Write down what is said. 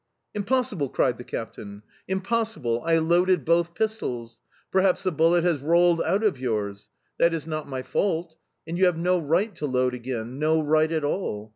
"Impossible!" cried the captain, "impossible! I loaded both pistols. Perhaps the bullet has rolled out of yours... That is not my fault! And you have no right to load again... No right at all.